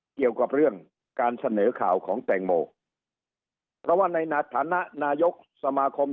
เกี่ยวกับเรื่องการเสนอข่าวของแตงโมเพราะว่าในฐานะนายกสมาคม